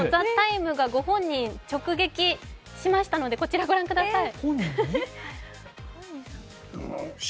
「ＴＨＥＴＩＭＥ，」がご本人を直撃しましたのでこちらご覧ください。